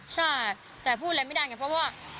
ใช่แต่พูดอะไรไม่ได้ไงเพราะว่า